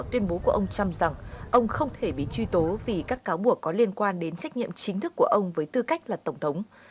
tuyên bố của ông trump rằng ông không thể bị truy tố vì các cáo buộc có liên quan đến trách nhiệm chính thức của ông với tư cách là tổng thống